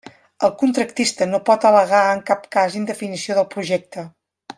El contractista no pot al·legar en cap cas indefinició del projecte.